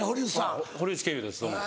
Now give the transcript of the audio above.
堀内賢雄ですどうも。